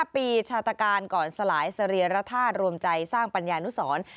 ปีชาตการก่อนสลายเสรีรธาตุรวมใจสร้างปัญญานุสร